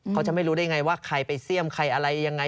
เขาจะไม่รู้ได้ไงว่าใครไปเสี่ยมใครอะไรยังไง